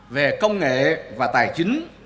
về công nghệ và tài chính